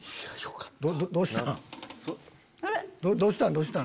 どうしたん？